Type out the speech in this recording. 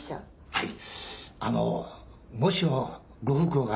はい。